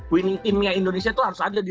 winning timnya indonesia itu harus ada